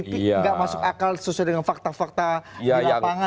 tidak masuk akal sesuai dengan fakta fakta di lapangan gitu